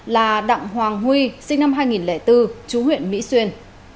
là đặng hoàng huy sinh năm hai nghìn bốn chú huyện mỹ xuyên